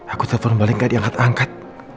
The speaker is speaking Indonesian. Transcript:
aku telepon balik gak diangkat angkat